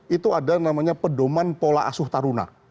itu ada namanya pedoman pola asuh taruna